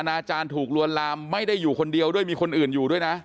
อาจารย์ถูกลวนลามไม่ได้อยู่คนเดียวด้วยมีคนอื่นอยู่ด้วยนะ